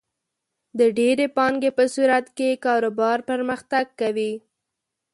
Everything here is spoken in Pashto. د ډېرې پانګې په صورت کې کاروبار پرمختګ کوي.